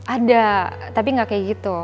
ada tapi nggak kayak gitu